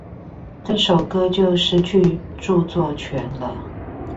這首歌就失去著作權了